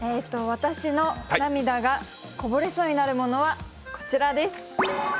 私の涙がこぼれそうなものはこちらです。